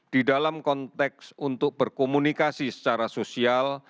di dalam konteks untuk berkomunikasi secara sosial